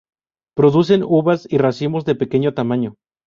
Producen uvas y racimos de pequeño tamaño.